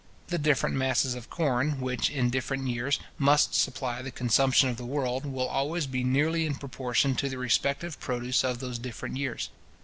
The different masses of corn, which, in different years, must supply the consumption of the world, will always be nearly in proportion to the respective produce of those different years.